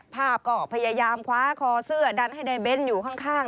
ภาพก็พยายามคว้าคอเสื้อดันให้นายเบ้นอยู่ข้าง